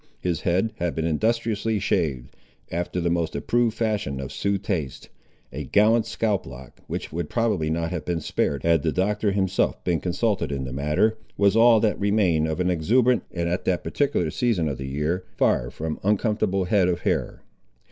His head had been industriously shaved, after the most approved fashion of Sioux taste. A gallant scalp lock, which would probably not have been spared had the Doctor himself been consulted in the matter, was all that remained of an exuberant, and at that particular season of the year, far from uncomfortable head of hair.